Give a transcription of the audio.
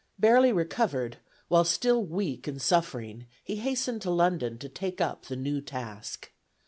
Barely recovered, while still weak and suffering, he hastened to London, to take up the new task.